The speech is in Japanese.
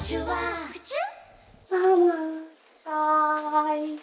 はい。